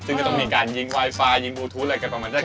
ซึ่งก็ต้องมีการยิงไวไฟยิงบลูทูธอะไรกันประมาณนี้